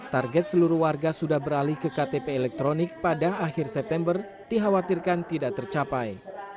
target seluruh warga sudah beralih ke ktp elektronik pada akhir september dikhawatirkan tidak tercapai